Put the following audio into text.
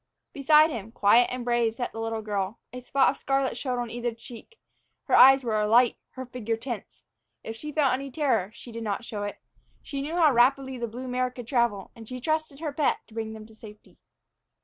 Beside him, quiet and brave, sat the little girl. A spot of scarlet showed on either cheek, her eyes were alight, her figure tense. If she felt any terror, she did not show it. She knew how rapidly the blue mare could travel, and she trusted her pet to bring them to safety.